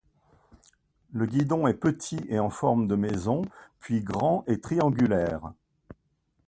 Le guidon est petit et en forme de maison puis grand et triangulaire.